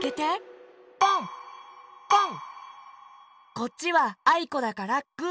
こっちは「あいこ」だからグー！